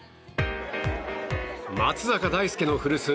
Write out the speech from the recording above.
松坂大輔の古巣